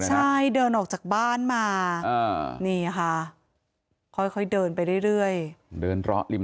ใช่เดินออกจากบ้านมานี่ค่ะค่อยเดินไปเรื่อยเดินเลาะริม